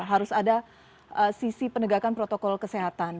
harus ada sisi penegakan protokol kesehatan